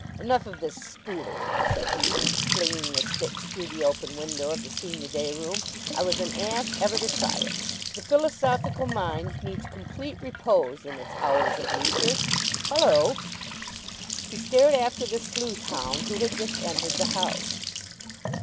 "Enough of this spoolery," said he, flinging the sticks through the open window of the senior day room. "I was an ass ever to try it. The philosophical mind needs complete repose in its hours of leisure. Hullo!" He stared after the sleuth hound, who had just entered the house.